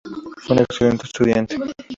Fue un excelente estudiante.